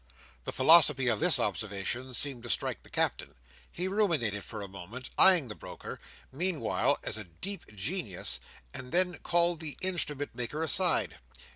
The philosophy of this observation seemed to strike the Captain. He ruminated for a minute; eyeing the broker, meanwhile, as a deep genius; and then called the Instrument maker aside.